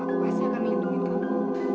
aku pasti akan melindungi kamu